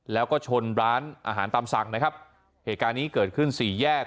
แล้วก็ชนร้านอาหารตามสั่งนะครับเหตุการณ์นี้เกิดขึ้นสี่แยก